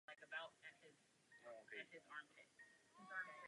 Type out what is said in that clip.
Svým celoživotním úsilím se zasloužila o svržení Impéria a založení Nové Republiky.